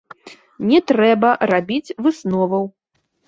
Не трэба рабіць высноваў.